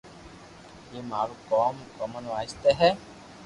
جيم مارو ڪوم ڪومن وائس تو ھي